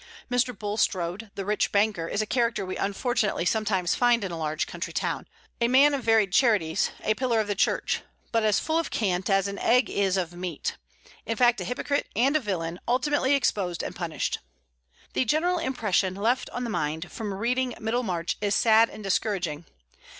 Mr. Bullstrode, the rich banker, is a character we unfortunately sometimes find in a large country town, a man of varied charities, a pillar of the Church, but as full of cant as an egg is of meat; in fact, a hypocrite and a villain, ultimately exposed and punished. The general impression left on the mind from reading "Middlemarch" is sad and discouraging.